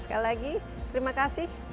sekali lagi terima kasih